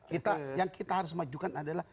kita yang kita harus majukan adalah